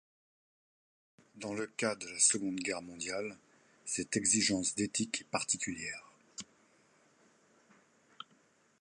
Dans le cas de la Seconde Guerre mondiale, cette exigence d’éthique est particulière.